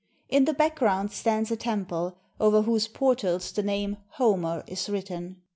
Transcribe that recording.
In the background stands a temple, over whose portals the name "Homer" is written.